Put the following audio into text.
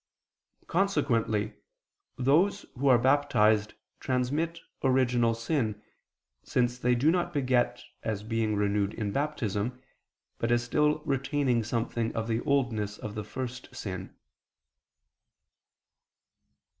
Consequently those who are baptized transmit original sin: since they do not beget as being renewed in Baptism, but as still retaining something of the oldness of the first sin.